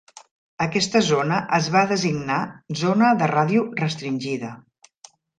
Aquesta zona es va designar zona de ràdio restringida.